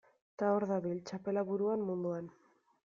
Eta hor dabil, txapela buruan, munduan.